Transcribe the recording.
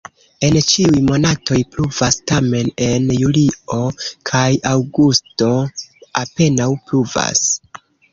En ĉiuj monatoj pluvas, tamen en julio kaj aŭgusto apenaŭ pluvas.